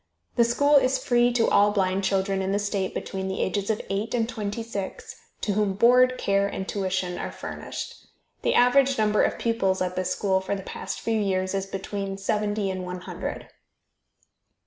The school is free to all blind children in the state between the ages of eight and twenty six, to whom board, care and tuition are furnished. The average number of pupils at this school for the past few years is between seventy and one hundred.